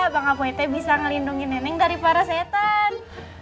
bang apote bisa ngelindungi nenek dari para setan